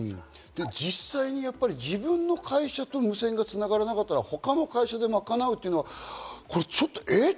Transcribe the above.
実際に自分の会社と無線が繋がらなかったら他の会社で賄うっていうのはこれちょっと、えっ？